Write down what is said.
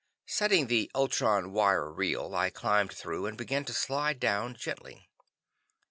Setting the ultron wire reel, I climbed through, and began to slide down gently.